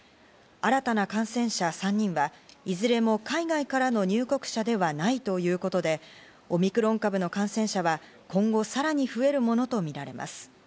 新たな感染者３人は、いずれも海外からの入国者ではないということで、オミクロン株の感染者は今後さらに増えるものとみられます。